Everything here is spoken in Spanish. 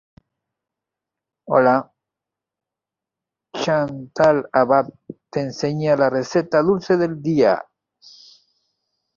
Chantal Abad te enseña la receta dulce del dia.